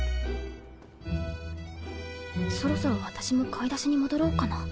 そろそろ私も買い出しに戻ろうかな